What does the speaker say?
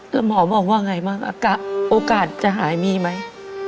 แล้วหมอบอกว่าไงบ้างอากาศจะหายมีไหม